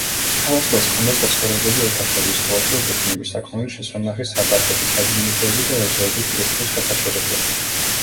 ქარვასლას ჰქონდა საცხოვრებელი ოთახები, სავაჭრო დუქნები, საქონლის შესანახი სარდაფები, საჯინიბოები და ეზოები პირუტყვის გასაჩერებლად.